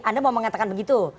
anda mau mengatakan begitu